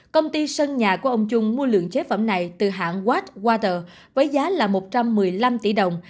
công ty sân nhà của ông trung mua lượng chế phẩm này từ hãng wattwater với giá là một trăm một mươi năm tỷ đồng